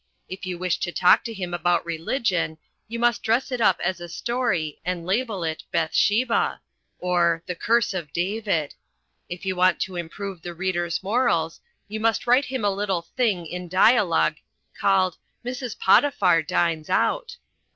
If you wish to talk to him about religion, you must dress it up as a story and label it Beth sheba, or The Curse of David; if you want to improve the reader's morals, you must write him a little thing in dialogue called Mrs. Potiphar Dines Out.